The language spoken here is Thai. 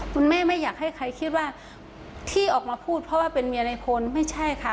คุณแม่ไม่อยากให้ใครคิดว่าที่ออกมาพูดเพราะว่าเป็นเมียในคนไม่ใช่ค่ะ